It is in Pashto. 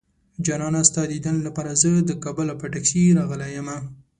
جانانه ستا ديدن لپاره زه د کابله په ټکسي راغلی يمه